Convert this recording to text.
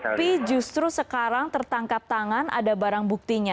tapi justru sekarang tertangkap tangan ada barang buktinya